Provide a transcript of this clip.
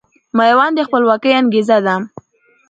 ميوند د خپلواکۍ انګېزه ده